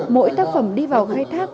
mỗi tác phẩm đi vào khai thác